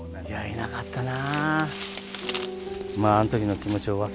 いなかったな。